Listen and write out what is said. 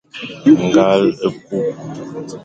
Ngal e ku.